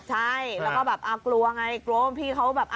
ใช่แล้วก็แบบกลัวไงกลัวว่าพี่เขาแบบ